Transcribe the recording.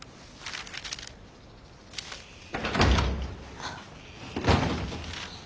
あっ。